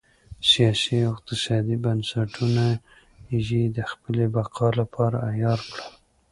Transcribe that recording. سیاسي او اقتصادي بنسټونه یې د خپلې بقا لپاره عیار کړل.